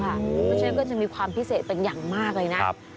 เพราะฉะนั้นก็จะมีความพิเศษเป็นอย่างมากเลยนะ